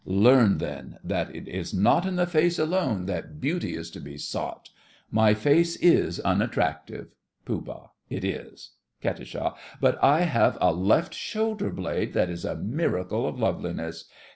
Learn, then, that it is not in the face alone that beauty is to be sought. My face is unattractive! POOH. It is. KAT. But I have a left shoulder blade that is a miracle of loveliness.